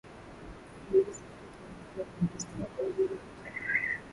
Alihisi watoto walikuwa wanateseka kubaki peke yao